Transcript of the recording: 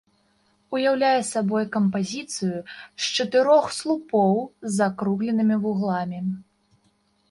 Уяўляе сабой кампазіцыю з чатырох слупоў з закругленымі вугламі.